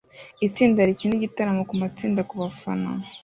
itsinda rikina igitaramo kumatsinda kubafana